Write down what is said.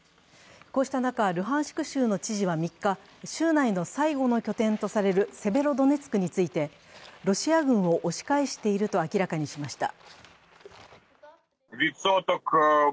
こうした中、ルハンシク州の知事は３日州内の最後の拠点とされるセベロドネツクについてロシア軍を押し返していると明らかにしました。